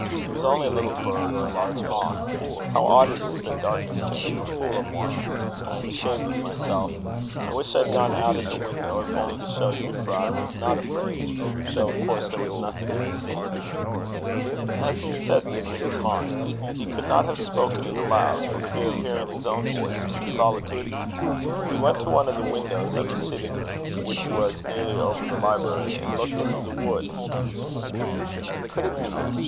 "It was only a little bird, or a large moth. How odd it is that darkness can make a fool of one! I am ashamed of myself. I wish I had gone out at the window, if only to show Euphra I was not afraid, though of course there was nothing to be seen." As he said this in his mind, he could not have spoken it aloud, for fear of hearing his own voice in the solitude, he went to one of the windows of his sitting room, which was nearly over the library, and looked into the wood. Could it be?